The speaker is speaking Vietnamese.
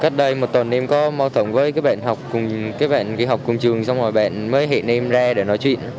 học cùng các bạn khi học cùng trường xong rồi bạn mới hẹn em ra để nói chuyện